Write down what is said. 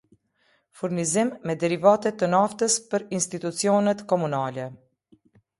Furnizim me derivate te naftës për institucionet komunale